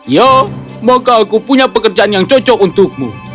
ya maka aku punya pekerjaan yang cocok untukmu